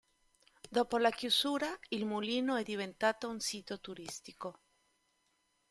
Dopo la chiusura, il mulino è diventato un sito turistico.